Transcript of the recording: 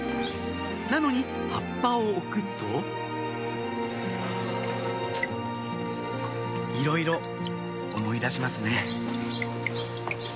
なのに葉っぱを置くといろいろ思い出しますね